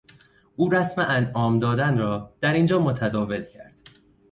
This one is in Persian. او رسم انعام دادن را در اینجا متداول کرد.